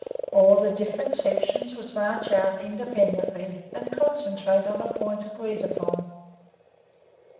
Or the different sections would march out independently, and concentrate on a point agreed upon.